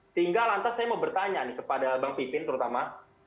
sehingga lantas saya mau bertanya nih kepada bang pipin terutama